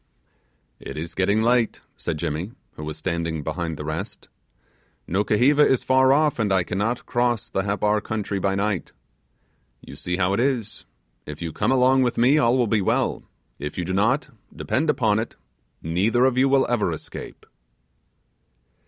'It is getting late: said Jimmy, who was standing behind the rest. 'Nukuheva is far off, and I cannot cross the Happar country by night. You see how it is; if you come along with me, all will be well; if you do not, depend upon it, neither of you will ever escape.